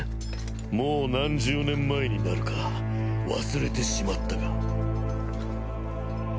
もう何十年前になるか忘れてしまったが。